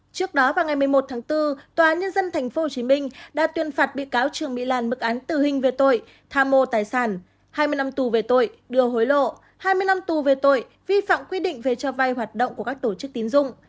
trước đó vào ngày một mươi một tháng bốn tòa nhân dân tp hcm đã tuyên phạt bị cáo trương mỹ lan mức án tử hình về tội tha mô tài sản hai mươi năm tù về tội đưa hối lộ hai mươi năm tù về tội vi phạm quy định về cho vai hoạt động của các tổ chức tín dụng